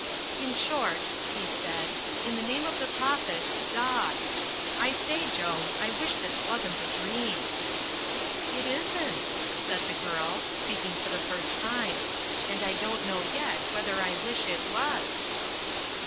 "In short," he said, "in the name of the Prophet, dog. I say, Joan, I wish this wasn't a dream." "It isn't," said the girl, speaking for the first time, "and I don't know yet whether I wish it was."